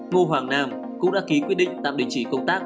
ngô hoàng nam cũng đã ký quyết định tạm định trì công tác